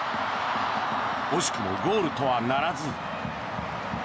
惜しくもゴールとはならず。